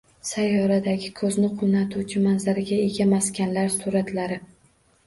Sayyoradagi ko‘zni quvnatuvchi manzaraga ega maskanlar suratlari